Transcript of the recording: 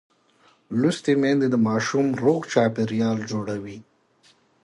لوستې میندې د ماشوم روغ چاپېریال جوړوي.